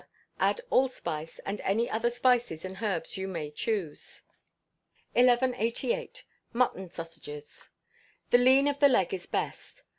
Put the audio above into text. add allspice, and any other spices and herbs you may choose. 1188. Mutton Sausages. The lean of the leg is the best.